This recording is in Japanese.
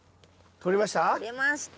取れました。